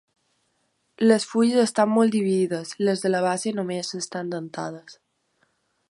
Les fulles estan molt dividides; les de la base només estan dentades.